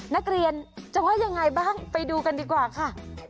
นักเรียนจะว่ายังไงบ้างไปดูกันดีกว่าค่ะ